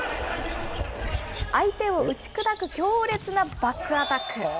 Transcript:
相手を打ち砕く強烈なバックアタック。